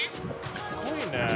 すごいね。